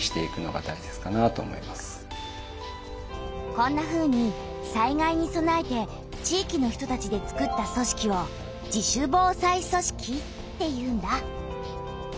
こんなふうに災害にそなえて地域の人たちで作った組織を「自主防災組織」っていうんだ。